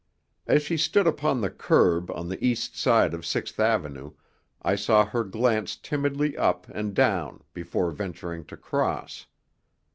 As she stood upon the curb on the east side of Sixth Avenue I saw her glance timidly up and down before venturing to cross.